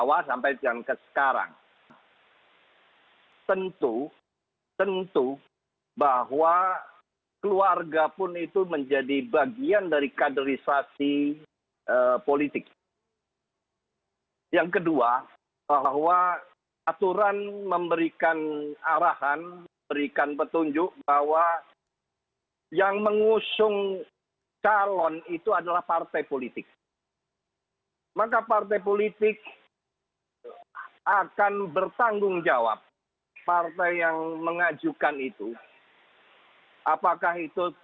assalamualaikum warahmatullahi wabarakatuh